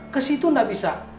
kesitu gak bisa